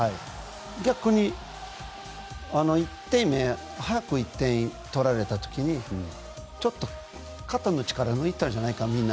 逆に、早く１点取られた時にみんなが肩の力を抜いたんじゃないかな。